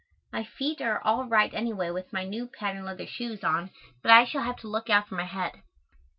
My feet are all right any way with my new patten leather shoes on but I shall have to look out for my head.